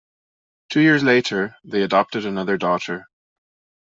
Two years later, they adopted another daughter.